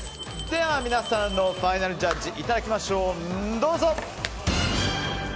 では皆さんのファイナルジャッジいただきましょう。